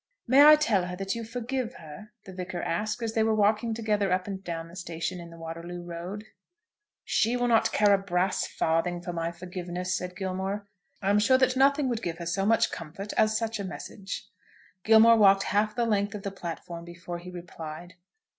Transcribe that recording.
"May I tell her that you forgive her?" the Vicar asked, as they were walking together up and down the station in the Waterloo Road. "She will not care a brass farthing for my forgiveness," said Gilmore. "You wrong her there. I am sure that nothing would give her so much comfort as such a message." Gilmore walked half the length of the platform before he replied.